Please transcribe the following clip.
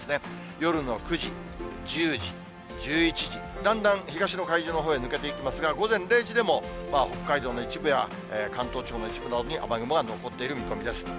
夜の９時、１０時、１１時、だんだん東の海上のほうへ抜けていきますが、午前０時でも、北海道の一部や、関東地方の一部などに雨雲は残っている見込みです。